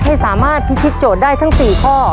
ให้สามารถพิธีโจทย์ได้ทั้ง๔ข้อ